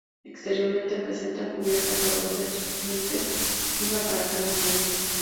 Exteriormente presenta cubiertas a dos vertientes, una para cada nave.